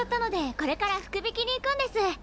これから福引きに行くんです！